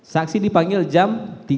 saksi dipanggil jam tiga